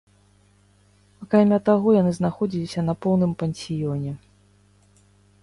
Акрамя таго, яны знаходзіліся на поўным пансіёне.